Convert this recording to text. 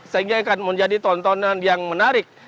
sehingga akan menjadi tontonan yang menarik